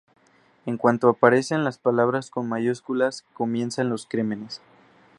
En cuanto aparecen las palabras con mayúsculas, comienzan los crímenes.